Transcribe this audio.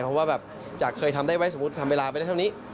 เพราะว่าแบบจากเคยทำได้ไหมสมมุติทำเวลาไปได้เท่านี้